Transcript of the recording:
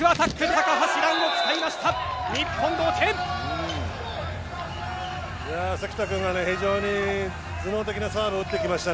高橋藍を使いました！